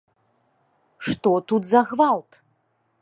Што тут за гвалт?